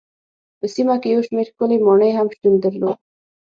په سیمه کې یو شمېر ښکلې ماڼۍ هم شتون درلود.